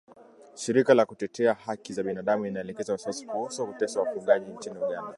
shirika la kutetea hakli za binadamu inaelezea wasiwasi kuhusu kuteswa wafungwa nchini Uganda